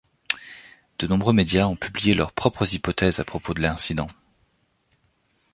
De nombreux médias ont publié leurs propres hypothèses à propos de l'incident.